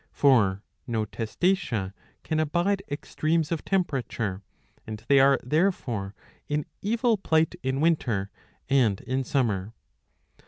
For no Testacea can abide extremes of temperature, and they are therefore in evil plight in winter and in summer.